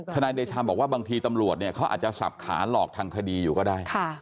นายเดชาบอกว่าบางทีตำรวจเนี่ยเขาอาจจะสับขาหลอกทางคดีอยู่ก็ได้